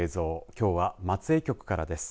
きょうは松江局からです。